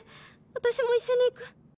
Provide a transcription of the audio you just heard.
私も一緒に行く！」。